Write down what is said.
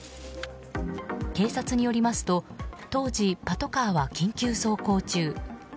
警察によりますと当時、パトカーは緊急走行中。